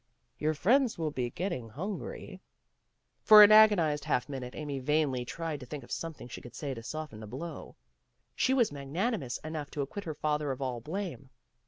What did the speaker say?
"Your friends will be get ting hungry. '' For an agonized half minute Amy vainly tried to think of something she could say to soften the blow. She was magnanimous enough to acquit her father of all blame.